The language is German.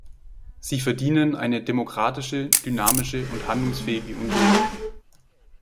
Sie verdienen eine demokratische, dynamische und handlungsfähige Union.